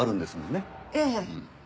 ええ。